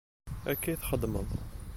Akka i t-xeddmeɣ.